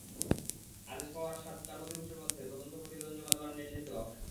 আদেশ পাওয়ার সাত কর্মদিবসের মধ্যে তদন্ত প্রতিবেদন জমা দেওয়ার নির্দেশ দেওয়া হয়।